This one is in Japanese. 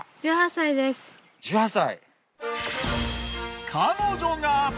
１８歳。